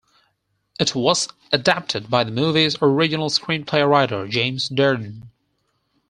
It was adapted by the movie's original screen play writer James Dearden.